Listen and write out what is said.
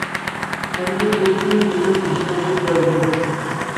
ئەمدى بۇ كۈن مىنىڭ بېشىمغا كەلدى.